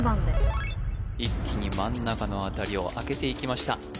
一気に真ん中の辺りを開けていきました